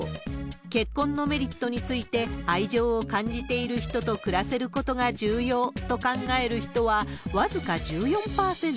結婚のメリットについて、愛情を感じている人と暮らせることが重要と考える人は、僅か１４％。